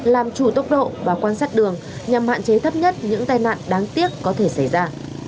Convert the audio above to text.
làm chủ tốc độ và quan sát đường nhằm hạn chế thấp nhất những tai nạn đáng tiếc có thể xảy ra